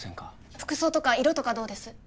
服装とか色とかどうです？